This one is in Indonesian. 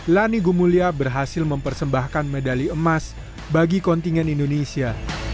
lani gumulya berhasil mempersembahkan medali emas bagi kontingen indonesia